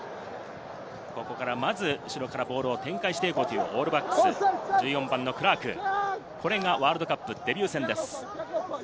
後ろからボールを展開していこうというオールブラックス、１４番のクラーク、ワールドカップデビュー戦です。